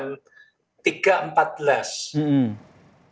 ketika penerbangan pertama jakarta ke kendari kopilotnya itu sudah minta izin kepada kapten